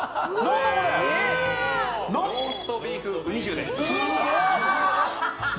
ローストビーフうに重です。